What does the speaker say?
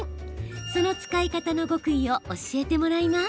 その使い方の極意を教えてもらいます。